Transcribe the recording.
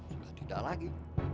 sudah tidak lagi